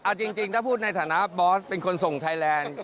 เอาจริงถ้าพูดในฐานะบอสเป็นคนส่งไทยแลนด์